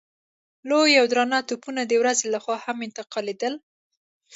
لوی او درانه توپونه د ورځې له خوا هم انتقالېدل.